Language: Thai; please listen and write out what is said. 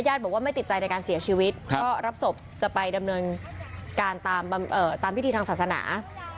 บอกว่าไม่ติดใจในการเสียชีวิตก็รับศพจะไปดำเนินการตามพิธีทางศาสนา